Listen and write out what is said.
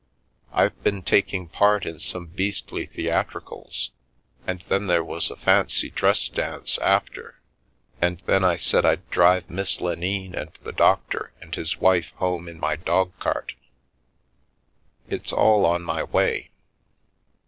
I've been taking part in some beastly theatricals, and then there was a fancy dress dance after, and then I said I'd drive Miss Lenine and the doctor and his wife home in my dog cart. It's all on my way.